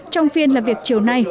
trong phiên làm việc chiều nay